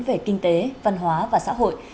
về kinh tế văn hóa và xã hội